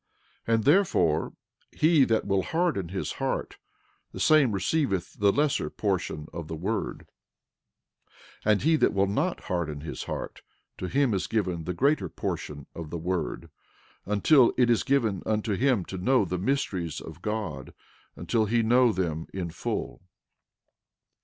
12:10 And therefore, he that will harden his heart, the same receiveth the lesser portion of the word; and he that will not harden his heart, to him is given the greater portion of the word, until it is given unto him to know the mysteries of God until he know them in full.